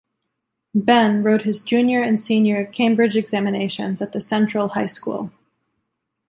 Benn wrote his Junior and Senior Cambridge Examinations at the Central High School.